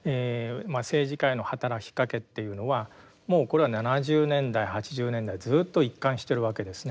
政治家への働きかけっていうのはもうこれは７０年代８０年代ずっと一貫してるわけですね。